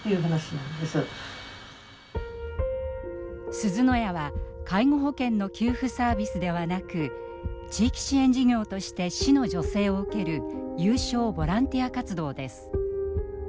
すずの家は介護保険の給付サービスではなく地域支援事業として市の助成を受ける有償ボランティア活動です。